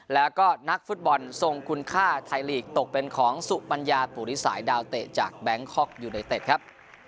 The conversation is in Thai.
แล้วก็นักฟุตบอลทรงคุณค่าไทยลีกตกเป็นของสุปัญญาปุริสายดาวเตะจากแบงคอกยูไนเต็ดครับ